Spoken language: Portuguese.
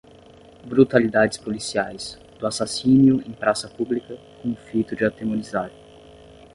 brutalidades policiais, do assassínio em praça pública, com o fito de atemorizar